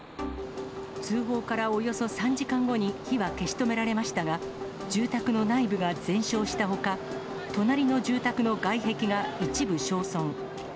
通報からおよそ３時間後に火は消し止められましたが、住宅の内部が全焼したほか、隣の住宅の外壁が一部焼損。